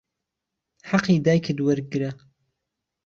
حهقی دایکت وهرگره